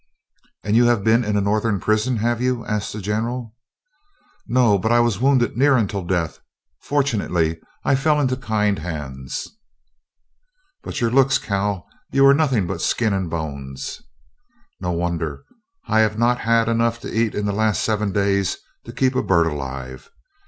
"And you have been in a Northern prison, have you?" asked the General. "No, but I was wounded near unto death. Fortunately I fell into kind hands." "But your looks, Cal; you are nothing but skin and bones." "No wonder. I have not had enough to eat in the last seven days to keep a bird alive.